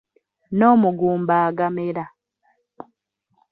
N'omugumba agamera.